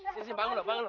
sini bangun lo